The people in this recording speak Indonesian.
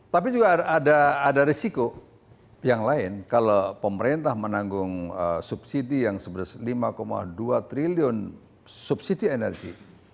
tapi juga ada risiko yang lain kalau pemerintah menanggung subsidi yang sebesar lima dua triliun subsidi energi